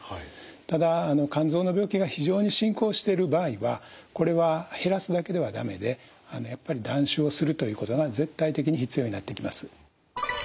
ただ肝臓の病気が非常に進行してる場合はこれは減らすだけでは駄目でやっぱり断酒をするということが絶対的に必要になってきます。